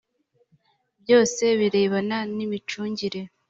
byose birebana n’ imicungire